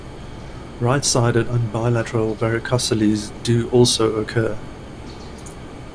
Right-sided and bilateral varicoceles do also occur.